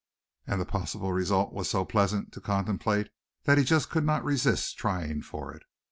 And the possible result was so pleasant to contemplate that he just could not resist trying for it.